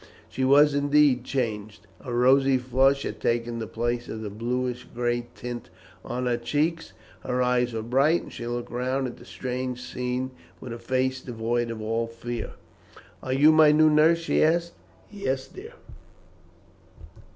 She was indeed changed. A rosy flush had taken the place of the bluish gray tint on her cheeks; her eyes were bright, and she looked round at the strange scene with a face devoid of all fear. "Are you my new nurse?" she asked. "Yes, dear."